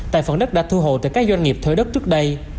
tại phần đất đã thu hồn từ các doanh nghiệp thuê đất trước đây